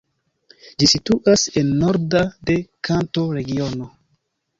Ĝi situas en norda de Kanto-regiono.